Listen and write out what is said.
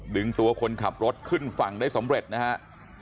ดึงตัวคนขับรถขึ้นฝั่งได้สำเร็จนะฮะ